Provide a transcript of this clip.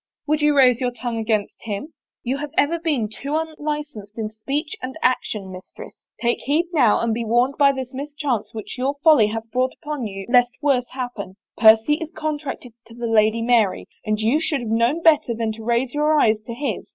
Would you raise your tongue against him? You have ever been too unlicensed in speech and action, mis I tress; take heed now and be warned by this mischance I which your folly has brought upon you lest worse happen. Percy is contracted to the Lady Mary and you should have known better than to raise your eyes to his.